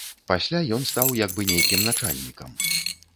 Пасля ён стаў як бы нейкім начальнікам.